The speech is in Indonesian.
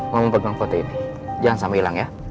mama pegang foto ini jangan sama hilang ya